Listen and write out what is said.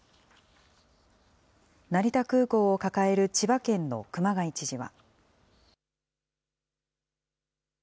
成田空港を抱える千葉県の熊谷知事は。